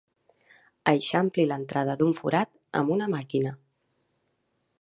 Eixampli l'entrada d'un forat amb una màquina.